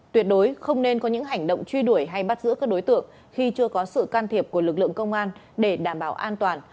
tuyệt đối không nên có những hành động truy đuổi hay bắt giữ các đối tượng khi chưa có sự can thiệp của lực lượng công an để đảm bảo an toàn